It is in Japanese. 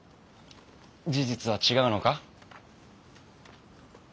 事実は違うのか？